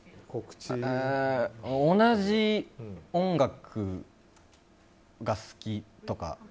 同じ音楽が好きとか。